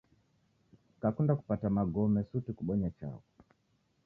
Kakunda kupata magome, suti kubonye chaghu